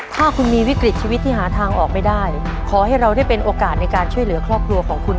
ถ้าคุณมีวิกฤตชีวิตที่หาทางออกไม่ได้ขอให้เราได้เป็นโอกาสในการช่วยเหลือครอบครัวของคุณ